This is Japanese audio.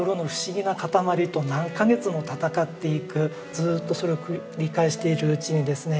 ずっとそれを繰り返しているうちにですね